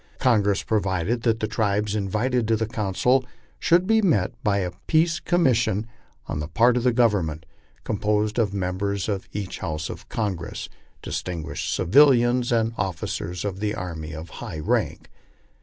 Congress pro vided that the tribes invited to the council should be met by a peace commis sion on the part of the Government, composed of members of each house of Congress, distinguished civilians, and officers of the army of high rank.